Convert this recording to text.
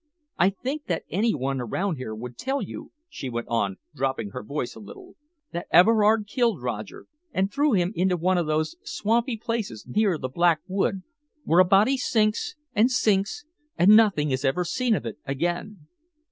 I think that any one around here would tell you," she went on, dropping her voice a little, "that Everard killed Roger and threw him into one of those swampy places near the Black Wood, where a body sinks and sinks and nothing is ever seen of it again."